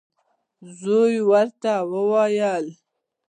زوی یې ورته وايي: